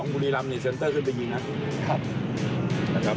๓๕๒บุญรับนี่ซเซ็นเตอร์ขึ้นไปยิงนะครับ